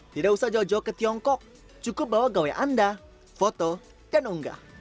tidak usah jauh jauh ke tiongkok cukup bawa gawai anda foto dan unggah